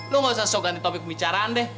lo ga usah sok ganti topik pembicaraan deh